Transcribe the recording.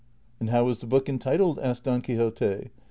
" And how is the book entitled ?" asked Don Quixote.